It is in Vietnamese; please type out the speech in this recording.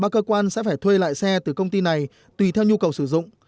ba cơ quan sẽ phải thuê lại xe từ công ty này tùy theo nhu cầu sử dụng